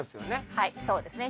はいそうですね。